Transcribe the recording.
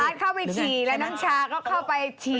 มาร์ชเข้าไปฉี่แล้วน้ำชายเข้าไปฉี่